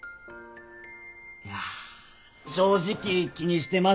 いや正直気にしてます。